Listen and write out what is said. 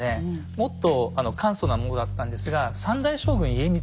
もっと簡素なものだったんですが３代将軍家光